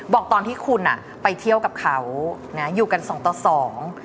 บอกตอนที่คุณอ่ะไปเที่ยวกับเขานะอยู่กันสองต่อสอง